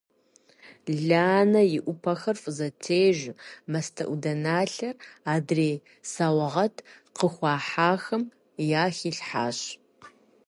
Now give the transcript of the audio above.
Ланэ и Ӏупэхэр фӀызэтежу мастэӀуданалъэр адрей саугъэт къыхуахьахэм яхилъхьащ.